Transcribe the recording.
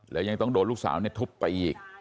แล้วยังต้องโดนลูกสาวทุบไปอีก